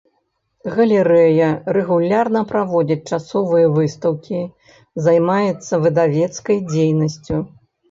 Галерэя рэгулярна праводзіць часовыя выстаўкі, займаецца выдавецкай дзейнасцю.